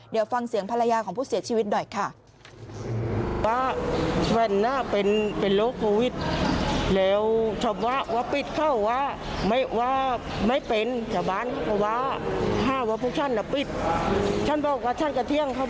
เดี๋ยวฟังเสียงภรรยาของผู้เสียชีวิตหน่อยค่ะ